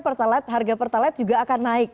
pertalite harga pertalite juga akan naik